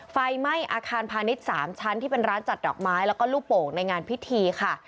ไฟไหม้อาคารพาณิชย์๓ชั้นที่เป็นร้านจัดดอกไม้แล้วก็ลูกโป่งในงานพิธีค่ะ